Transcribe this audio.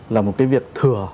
là một cái việc thừa